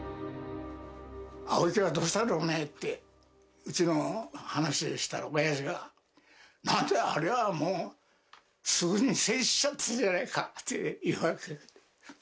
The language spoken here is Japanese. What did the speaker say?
青木はどうしたんだろうねって、うちの話したら、おやじが、なんだ、あれはもう、すぐに戦死しちゃったじゃないかって言うわけ。